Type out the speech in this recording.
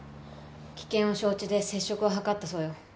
危険を承知で接触を図ったそうよ。